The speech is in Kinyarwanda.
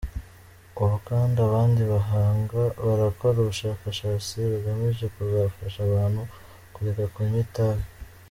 Ubu kandi abandi bahanga barakora ubushakashatsi rugamije kuzafasha abantu kureka kunywa itabi.